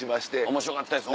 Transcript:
面白かったですね。